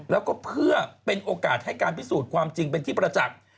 แล้วก็เพื่อเป็นโอกาสให้การพิสูจน์ความจริงเป็นที่ประจักษ์